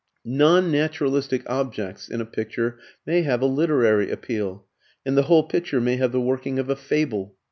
Non naturalistic objects in a picture may have a "literary" appeal, and the whole picture may have the working of a fable.